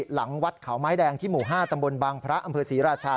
หลังวัดเขาไม้แดงที่หมู่๕ตำบลบางพระอำเภอศรีราชา